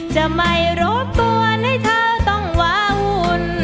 จะไม่รบต้นให้เธอต้องหว่าหุ้น